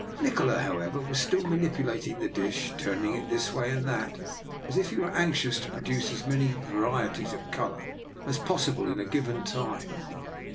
Nikola, however, was still manipulating the dish, turn ing it this way and that, as if he were anxious to produce as many varieties of colour as possible in a given time.